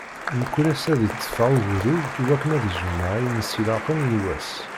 Mkul ass ad itteffeɣ ugdud iwakken ad d-ijmeɛ ayen i s-ilaqen i wass.